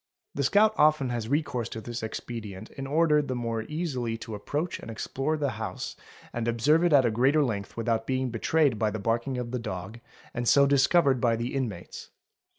The scout often has recourse to this expedient in order the 678 THEFT more easily to approach and explore the house and observe it at greater | length without being betrayed by the barking of the dog and so dis covered by the inmates.